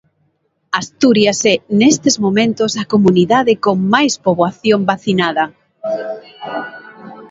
Asturias é nestes momentos a comunidade con máis poboación vacinada.